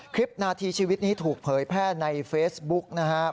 คลิปนาทีชีวิตนี้ถูกเผยแพร่ในเฟซบุ๊กนะครับ